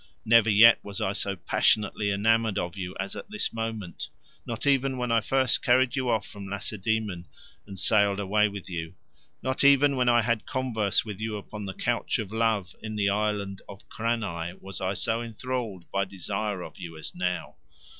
Never yet was I so passionately enamoured of you as at this moment—not even when I first carried you off from Lacedaemon and sailed away with you—not even when I had converse with you upon the couch of love in the island of Cranae was I so enthralled by desire of you as now."